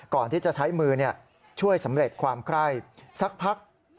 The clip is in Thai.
ก่อนที่จะใช้มือช่วยสำเร็จความไคร่สักพัก